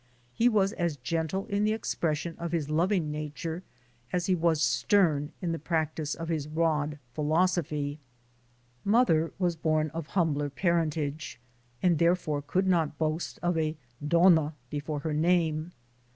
He was as gentle in the expression of his loving nature as he was stern in the practice of his rod philosophy. Mother was born of humbler parentage, and 16 THE SOUL OF AN IMMIGRANT therefore could not boast of a "Donna" before her name.